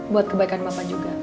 buat kebaikan bapak juga